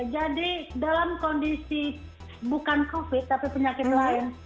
jadi dalam kondisi bukan covid tapi penyakit lain